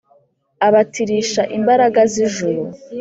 Abatirish' imbaraga z'ijuru.